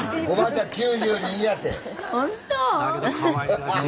おばあちゃん